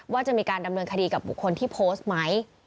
ว่าจะมีการดำเนินคดีกับบุคคลที่โพสต์ไหม